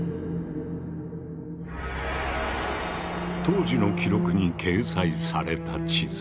当時の記録に掲載された地図。